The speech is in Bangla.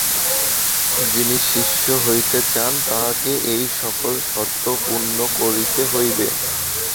যিনি শিষ্য হইতে চান, তাঁহাকে এই সকল শর্ত পূর্ণ করিতে হইবে।